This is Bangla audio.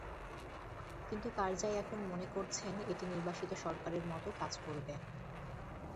কিন্তু কারজাই এখন মনে করছেন, এটি নির্বাসিত সরকারের মতো কাজ করবে।